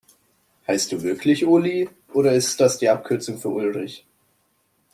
Heißt du wirklich Uli, oder ist das die Abkürzung für Ulrich?